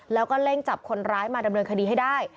แล้วก็เร่งจับคนร้ายมาดำเนินคดีให้ได้